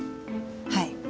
はい。